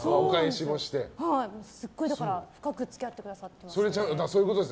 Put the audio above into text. すごい深く付き合ってくださってます。